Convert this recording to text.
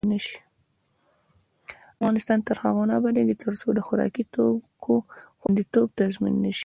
افغانستان تر هغو نه ابادیږي، ترڅو د خوراکي توکو خوندیتوب تضمین نشي.